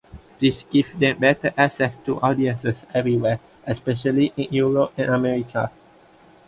This gave them better access to audiences everywhere especially in Europe and America.